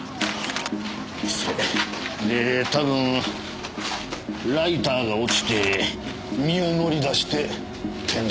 失礼でたぶんライターが落ちて身を乗り出して転落。